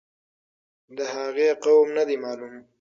د هغې قوم نه دی معلوم.